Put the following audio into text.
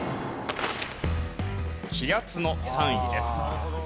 気圧の単位です。